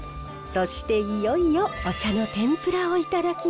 そしていよいよお茶の天ぷらをいただきます。